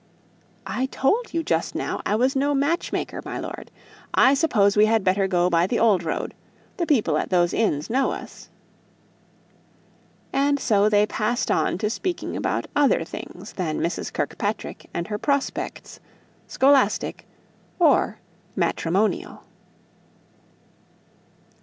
"I told you just now I was no match maker, my lord. I suppose we had better go by the old road the people at those inns know us?" And so they passed on to speaking about other things than Mrs. Kirkpatrick and her prospects, scholastic or matrimonial.